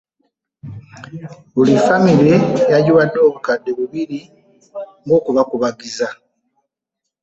Buli ffamire yagiwadde obukadde bibiri ng'okubakubagiza.